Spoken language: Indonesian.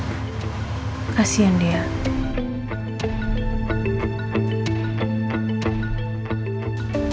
aku juga harus temenin dia lah mas